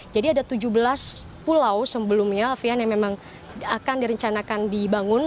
jadi ada tujuh belas pulau sebelumnya alfian yang memang akan direncanakan dibangun